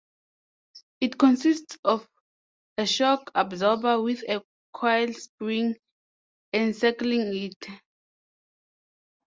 It consists of a shock absorber with a coil spring encircling it.